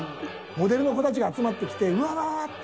モデルの子たちが集まってきて「うわー！」って。